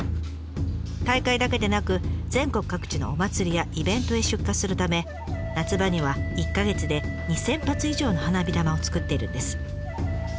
大会だけでなく全国各地のお祭りやイベントへ出荷するため夏場には１か月で２，０００発以上の花火玉を作っているんです。